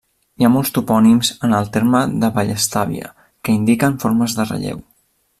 Hi ha molts topònims en el terme de Vallestàvia que indiquen formes de relleu.